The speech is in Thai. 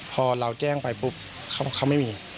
พอเราแจ้งไปปุ๊บเขาไม่มี